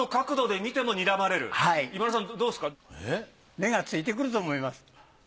目がついてくると思います。